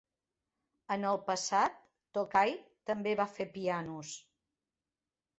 En el passat, Tokai també va fer pianos.